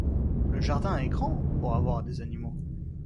le jardin est grand pour avoir des animaux